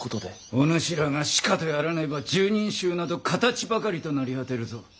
お主らがしかとやらねば十人衆など形ばかりと成り果てるぞ。